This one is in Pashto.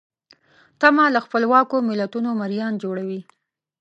تمه له خپلواکو ملتونو مریان جوړوي.